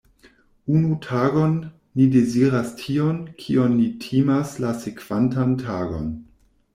Unu tagon, ni deziras tion, kion ni timas la sekvantan tagon.